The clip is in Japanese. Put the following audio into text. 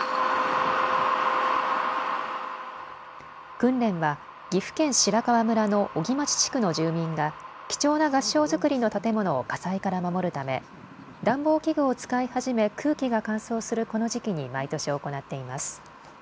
訓練は岐阜県白川村の荻町地区の住民が貴重な合掌造りの建物を火災から守るため暖房器具を使い始め空気が乾燥するこの時期に毎年行っています。